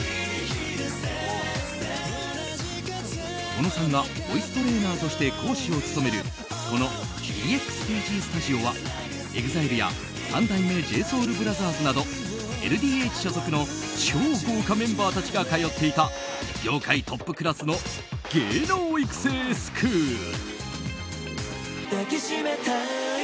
おのさんがボイストレーナーとして講師を務めるこのＥＸＰＧＳＴＵＤＩＯはＥＸＩＬＥや三代目ＪＳＯＵＬＢＲＯＴＨＥＲＳなどＬＤＨ所属の超豪華メンバーたちが通っていた業界トップクラスの芸能育成スクール。